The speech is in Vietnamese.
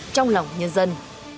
trong lòng nhân dân